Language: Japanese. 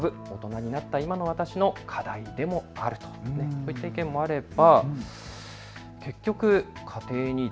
こういった意見もあれば。